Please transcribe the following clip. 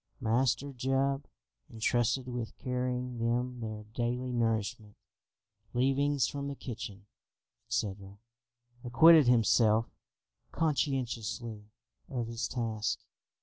Master Jup, entrusted with carrying them their daily nourishment, leavings from the kitchen, etc., acquitted himself conscientiously of his task.